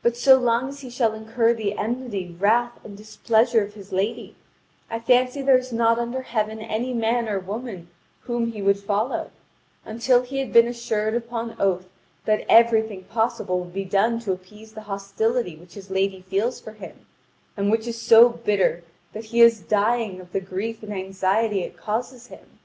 But so long as he shall incur the enmity, wrath, and displeasure of his lady, I fancy there is not under heaven any man or woman whom he would follow, until he had been assured upon oath that everything possible would be done to appease the hostility which his lady feels for him, and which is so bitter that he is dying of the grief and anxiety it causes him."